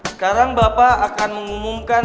sekarang bapak akan mengumumkan